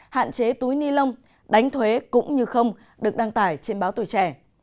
hạn chế túi ni lông đánh thuế cũng như không được đăng tải trên báo tuổi trẻ